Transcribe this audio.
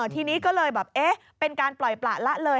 ทีนี้ก็เลยแบบเอ๊ะเป็นการปล่อยประละเลย